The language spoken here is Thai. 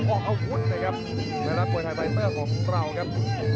ออกอาวุธนะครับในนักมวยไทยไฟเตอร์ของเราครับ